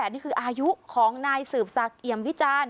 นี่คืออายุของนายสืบศักดิ์เอี่ยมวิจารณ์